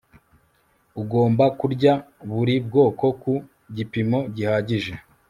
ugomba kurya buri bwoko ku gipimo gihagije